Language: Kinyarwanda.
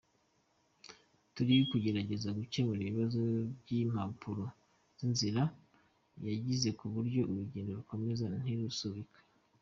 Turi kugerageza gukemura ibibazo by’impapuro z’inzira yagize kuburyo urugendo rwakomeza ntirusubikwe!”.